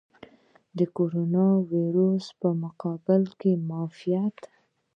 د کوروناویرس په مقابل کې معافیت.